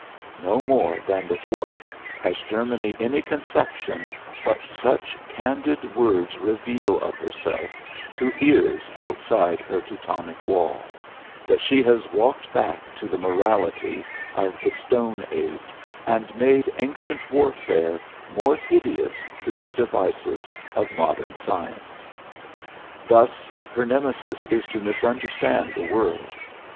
No more than the dwarf has Germany any conception what such candid words reveal of herself to ears outside her Teutonic wall that she has walked back to the morality of the Stone Age and made ancient warfare more hideous through the devices of modern science. Thus her Nemesis is to misunderstand the world.